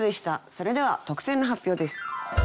それでは特選の発表です。